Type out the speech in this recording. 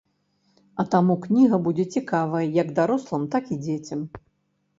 А таму кніга будзе цікавая як дарослым, так і дзецям.